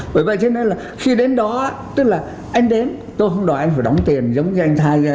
bởi vậy cho nên là khi đến đó tức là anh đến tôi không đòi anh phải đóng tiền giống như anh thai